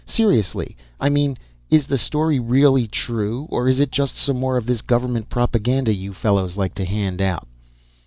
"Seriously, I mean. Is the story really true, or is it just some more of this government propaganda you fellows like to hand out?"